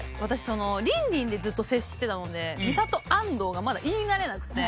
リンリンでずっと接してたのでＭＩＳＡＴＯＡＮＤＯがまだ言い慣れなくて。